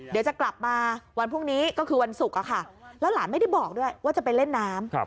เดี๋ยวจะกลับมาวันพรุ่งนี้ก็คือวันศุกร์แล้วหลานไม่ได้บอกด้วยว่าจะไปเล่นน้ำ